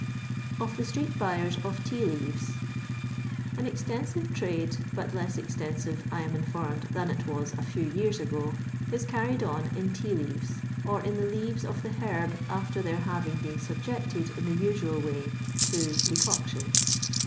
Of THB Stbbet Butebs OF Tea Leaves. Ah extensive trade, but less extensive, I am in formed, than it was a few years ago, is carried on in tea4eaves, or in the leaves of the herb after their having been subjected, in the usual way, to decoction.